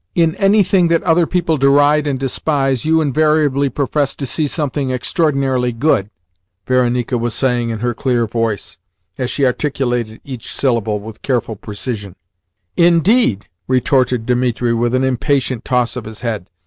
"In anything that other people deride and despise you invariably profess to see something extraordinarily good!" Varenika was saying in her clear voice, as she articulated each syllable with careful precision. "Indeed?" retorted Dimitri with an impatient toss of his head.